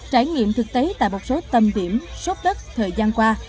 trải nghiệm thực tế tại một số tầm điểm sốt đất thời gian qua